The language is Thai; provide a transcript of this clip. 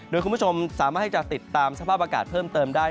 โดยคุณผู้ชมสามารถให้จะติดตามสภาพอากาศเพิ่มเติมได้